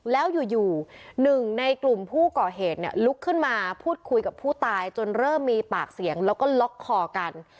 แล้วอยู่หนึ่งในกลุ่มผู้ก่อเหตุเนี่ยลุกขึ้นมาพูดคุยกับผู้ตายจนเริ่มมีปากเสียงแล้วก็ล็อกคอกัน